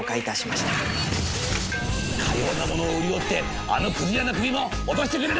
「『かようなものを売りよってあのくず屋の首も落としてくれる！』